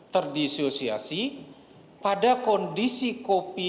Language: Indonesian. terdisosiasi pada kondisi kopi